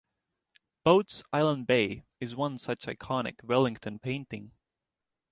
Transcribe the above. "Boats, Island Bay" is one such iconic Wellington painting.